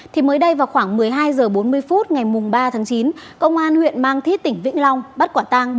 thì mới đây vào khoảng một mươi hai h bốn mươi phút ngày ba tháng chín công an huyện mang thít tỉnh vĩnh long bắt quả tăng